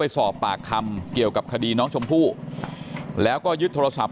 สอบปากคำเกี่ยวกับคดีน้องชมพู่แล้วก็ยึดโทรศัพท์